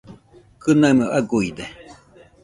Kɨnaimo aguide